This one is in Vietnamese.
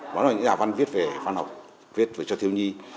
đó là những nhà văn viết về văn học viết về cho thiếu nhi